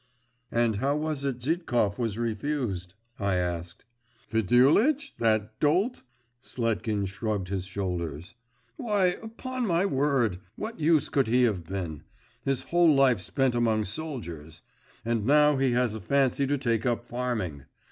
'And how was it Zhitkov was refused?' I asked. 'Fedulitch? That dolt?' Sletkin shrugged his shoulders. 'Why, upon my word, what use could he have been? His whole life spent among soldiers and now he has a fancy to take up farming.